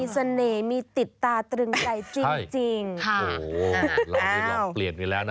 สักครู่ที่เราเปลี่ยนอยู่แล้วนะ